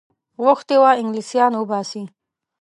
غوښتي وه انګلیسیان وباسي.